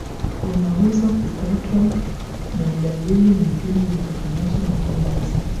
unaweza kupatwa na dalili nyingine zitokanazo na homa hizi